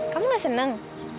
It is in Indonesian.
kamu gak seneng